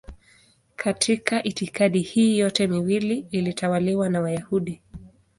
Katika itikadi hii yote miwili ilitawaliwa na Wayahudi.